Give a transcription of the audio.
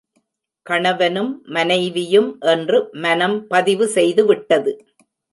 கணவனும், மனைவியும் என்று மனம் பதிவு செய்துவிட்டது.